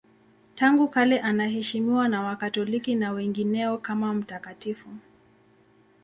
Tangu kale anaheshimiwa na Wakatoliki na wengineo kama mtakatifu.